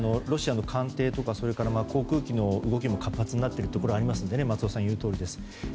ロシアの官邸とかそれから航空機の動きも活発になっているところもありますので松尾さんの言うとおりです。